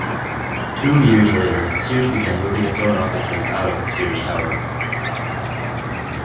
Two years later, Sears began moving its own offices out of the Sears Tower.